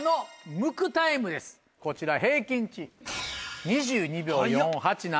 こちら平均値。